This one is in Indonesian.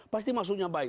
pasti masuknya baik